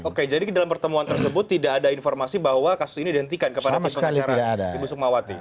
oke jadi dalam pertemuan tersebut tidak ada informasi bahwa kasus ini dihentikan kepada tim pengacara ibu sukmawati